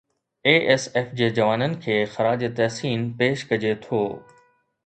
اي S F G جوانن کي خراج تحسين پيش ڪجي ٿو